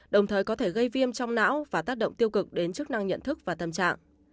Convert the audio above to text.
đồng thời có thể gây viêm trong não và tác động tiêu cực đến chức năng nhận thức và tâm trạng